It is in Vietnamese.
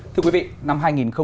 thưa quý vị năm hai nghìn hai mươi ba